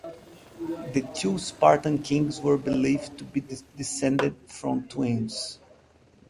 The two Spartan kings were believed to be descended from twins.